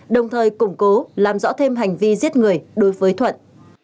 đồng thời củng cố làm rõ thêm hành vi giết người đối với thuận